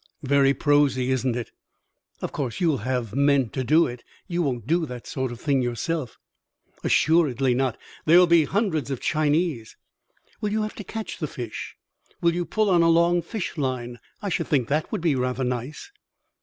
"Very prosy, isn't it?" "Of course, you will have men to do it. You won't do that sort of thing yourself?" "Assuredly not. There will be some hundreds of Chinese." "Will you have to catch the fish? Will you pull on a long fish line? I should think that would be rather nice."